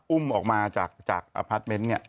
อุ้มออกมาจากอพาร์ทเมนต์